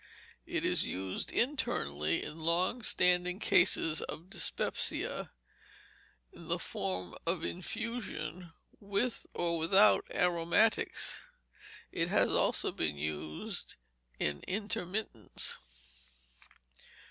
It is used internally in long standing cases of dyspepsia, in the form of infusion, with or without aromatics. It has also been used in intermittents.